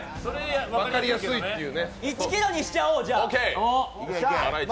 １ｋｇにしちゃおう、じゃあ。